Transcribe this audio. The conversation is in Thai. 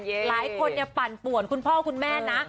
หลายคนปั่นป่วนคุณพ่อคุณแม่นะ